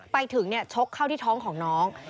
ไปถึงชกเข้าที่ท้องของน้อง